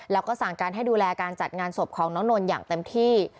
แล้วก็สั่งการให้ดูแลการจัดงานศพของน้องนนท์อย่างเต็มที่